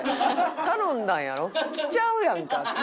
頼んだんやろ？来ちゃうやんか。